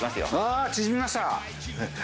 あっ縮みました。